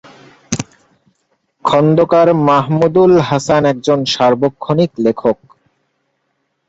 খন্দকার মাহমুদুল হাসান একজন সার্বক্ষণিক লেখক।